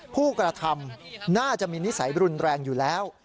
ผู้กระทำน่าจะมีนิสัยรุนแรงอยู่แล้ว